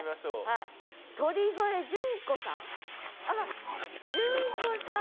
あら淳子さん。